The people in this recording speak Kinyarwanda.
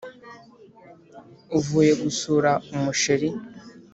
uvuye gusura umusheri”